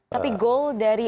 tapi goal dari